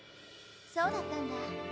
そうだったんだ。